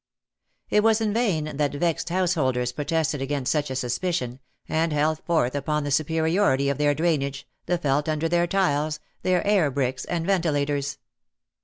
It was in vain that vexed householders protested against such a suspicion, and held forth upon the superiority of their drainage, the felt under their tiles, their air bricks, and ventilators.